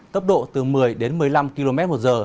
tốc độ từ một mươi một mươi năm kmh